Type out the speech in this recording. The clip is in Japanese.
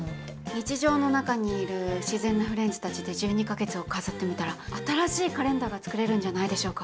日常の中にいる自然なフレンズたちで１２か月を飾ってみたら新しいカレンダーが作れるんじゃないでしょうか。